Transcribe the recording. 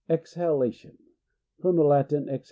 Exhalation. — From the Latin, ex.